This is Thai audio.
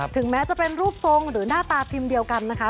ถึงแม้จะเป็นรูปทรงหรือหน้าตาพิมพ์เดียวกันนะคะ